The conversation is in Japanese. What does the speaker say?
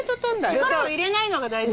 力を入れないのが大事。